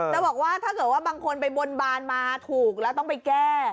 จะบอกว่าถ้าเกิดว่าบางคนไปบนบานมาถูกแล้วต้องไปแก้